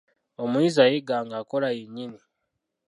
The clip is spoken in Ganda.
Omuyizi ayiga ng'akola yennyini.